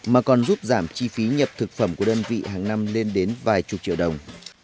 mà còn giúp giảm chi phí nhập thực phẩm của đơn vị hàng năm lên đến vài chục triệu đồng